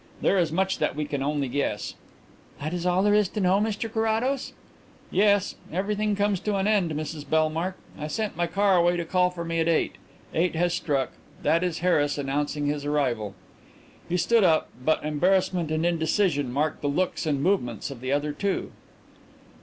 There is much that we can only guess." "That is all there is to know, Mr Carrados?" "Yes. Everything comes to an end, Mrs Bellmark. I sent my car away to call for me at eight. Eight has struck. That is Harris announcing his arrival." He stood up, but embarrassment and indecision marked the looks and movements of the other two.